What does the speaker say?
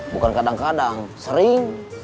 bukan kadang kadang sering